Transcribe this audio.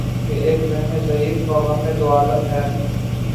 کہ ایک وہمِ ضعیف و غمِ دوعالم ہے